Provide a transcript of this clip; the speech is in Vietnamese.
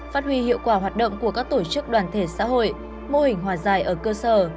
phát huy hiệu quả hoạt động của các tổ chức đoàn thể xã hội mô hình hòa giải ở cơ sở